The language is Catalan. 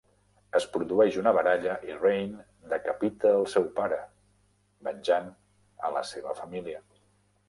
Es produeix una baralla i Rayne decapita al seu pare, venjant a la seva família.